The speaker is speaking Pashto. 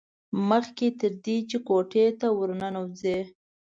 مخکې تر دې چې کوټې ته ور ننوځي.